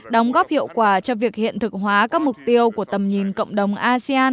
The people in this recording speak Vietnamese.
đóng góp hiệu quả cho việc hiện thực hóa các mục tiêu của tầm nhìn cộng đồng asean hai nghìn hai mươi năm